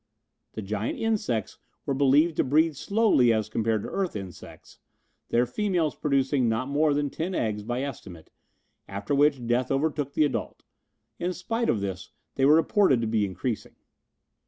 The giant insects were believed to breed slowly as compared to earth insects, their females producing not more than ten eggs, by estimate, after which death overtook the adult. In spite of this they were reported to be increasing.